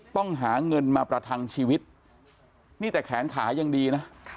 ต้องหาเงินมาประทังชีวิตนี่แต่แขนขายังดีนะ